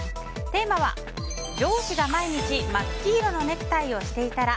テーマは上司が毎日真っ黄色のネクタイをつけていたら。